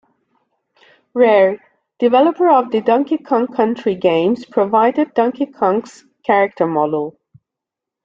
Rare, developer of the "Donkey Kong Country" games, provided Donkey Kong's character model.